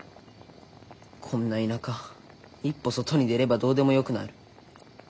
こんな田舎一歩外に出ればどうでもよくなる。